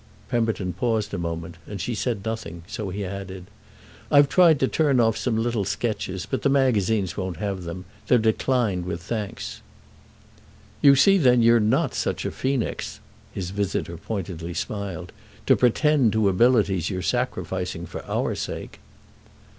Pemberton paused a moment, and she said nothing; so he added: "I've tried to turn off some little sketches, but the magazines won't have them—they're declined with thanks." "You see then you're not such a phœnix," his visitor pointedly smiled—"to pretend to abilities you're sacrificing for our sake."